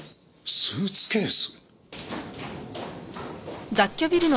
スーツケース？